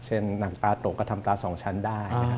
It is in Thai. หนังตาตกก็ทำตา๒ชั้นได้